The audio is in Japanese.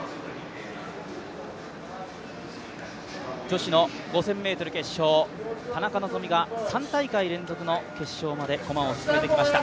女子５０００ｍ決勝、田中希実が３大会連続の決勝まで駒を進めてきました。